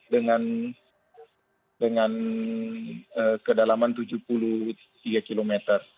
dengan kedalaman tujuh puluh tiga km